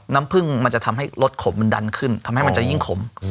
น้ำผึ้งมันจะทำให้รสขมมันดันขึ้นทำให้มันจะยิ่งขม